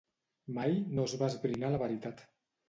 Mai no es va esbrinar la veritat.